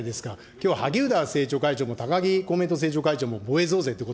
きょうは萩生田政調会長も、たかぎ公明党政調会長も防衛増税っていう